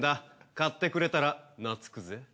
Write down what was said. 買ってくれたら懐くぜ。